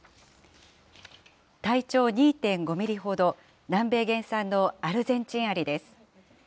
体長２．５ミリほど、南米原産のアルゼンチンアリです。